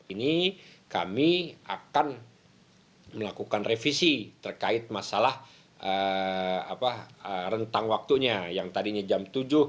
ini kami akan melakukan revisi terkait masalah rentang waktunya yang tadinya jam tujuh